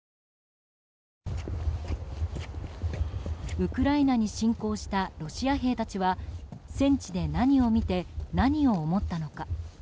ウクライナに侵攻したロシア兵たちは戦地で何を見て何を思ったのか。